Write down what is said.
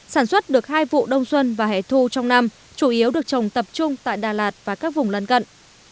sản xuất được hai vụ đông xuân và hẻ thu trong năm chủ yếu được trồng tập trung tại đà lạt và các vùng lân cận